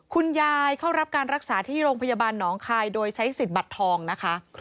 เข้ารับการรักษาที่โรงพยาบาลหนองคายโดยใช้สิทธิ์บัตรทองนะคะ